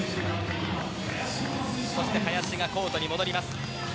そして林がコートに戻ります。